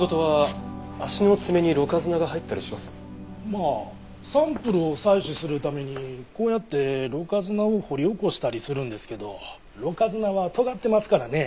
まあサンプルを採取するためにこうやってろ過砂を掘り起こしたりするんですけどろ過砂はとがってますからね。